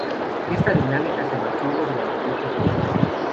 Esta dinámica se mantuvo durante muchos meses.